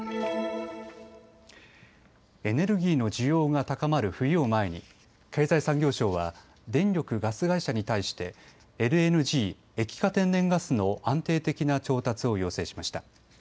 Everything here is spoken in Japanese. エネルギーの需要が高まる冬を前に、経済産業省は電力・ガス会社に対してＬＮＧ・液化天然ガスの安定的な調達を要請しました。